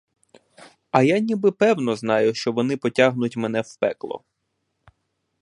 А я ніби певно знаю, що вони потягнуть мене в пекло.